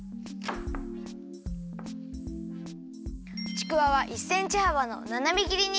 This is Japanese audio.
ちくわは１センチはばのななめぎりに。